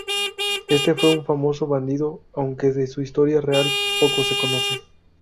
Este fue un famoso bandido, aunque de su historia real poco se conoce.